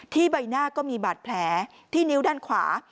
ใบหน้าก็มีบาดแผลที่นิ้วด้านขวา